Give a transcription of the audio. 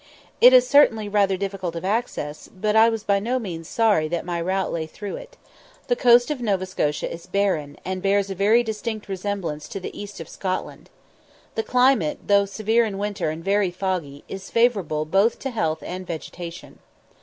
It is certainly rather difficult of access, but I was by no means sorry that my route lay through it. The coast of Nova Scotia is barren, and bears a very distinct resemblance to the east of Scotland. The climate, though severe in winter and very foggy, is favourable both to health and vegetation.